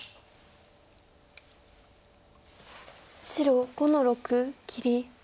白５の六切り。